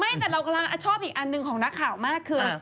แต่เรากำลังชอบอีกอันหนึ่งของนักข่าวมากคือ